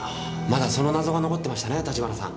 まだその謎が残ってましたね立花さん。